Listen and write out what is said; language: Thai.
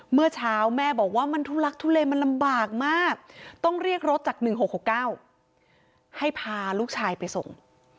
เมื่อเช้าแม่บอกว่ามันทุลักทุเลมันลำบากมากต้องเรียกรถจาก๑๖๖๙ให้พาลูกชายไปส่ง